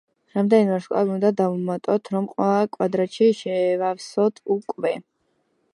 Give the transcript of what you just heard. რამდენი ვარსკვლავი უნდა დავუმატოთ, რომ ყველა კვადრატი შევავსოთ უკვე.